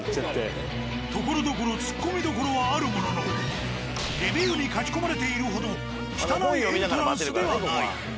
ところどころツッコミどころはあるもののレビューに書き込まれているほど汚いエントランスではない。